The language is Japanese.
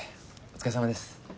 お疲れさまです。